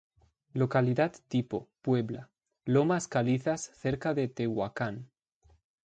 Localidad tipo: Puebla: Lomas calizas cerca de Tehuacán.